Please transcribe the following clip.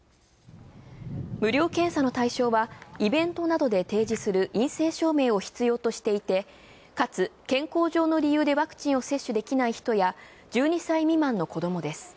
無料検査の対象はイベントなどで提示する陰性証明を必要としていて、かつ健康上の理由でワクチンを摂取できない人や１２歳未満の子供です。